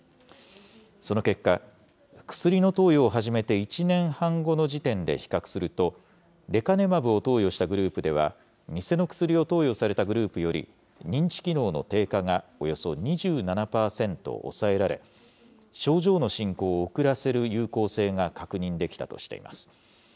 その結果、薬の投与を始めて１年半後の時点で比較すると、レカネマブを投与したグループでは、偽の薬を投与されたグループより、認知機能の低下がおよそ２７％抑えられ、症状の進行を遅らせる有効性が確認できたとしています。